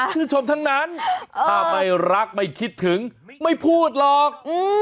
ชมทั้งนั้นถ้าไม่รักไม่คิดถึงไม่พูดหรอก